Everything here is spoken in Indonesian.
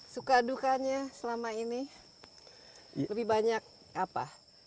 suka dukanya selama ini lebih banyak apa